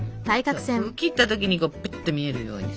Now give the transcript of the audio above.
そうそこ切った時にプッと見えるように。